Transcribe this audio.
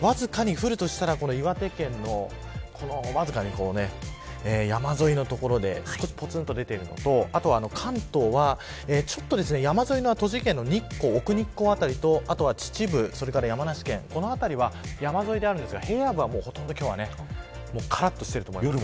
わずかに降るとしたら、岩手県の山沿いの所でぽつんと出ているのとあとは関東は、ちょっと山沿いの栃木県の奥日光の辺りとあとは秩父、山梨県この辺りは山沿いであるんですが平野部はほとんど今日はからっとしていると思います。